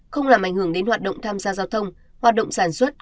không làm ảnh hưởng đến hoạt động tham gia giao thông hoạt động sản xuất